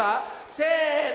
せの。